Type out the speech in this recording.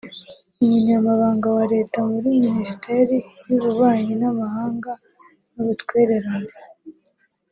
umunyamabanga wa Leta muri Ministeri y’ububanyi n’amahanga n’ubutwererane